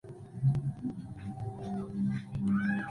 En la Facultad de Medicina, compartió pupitre con otras cinco mujeres.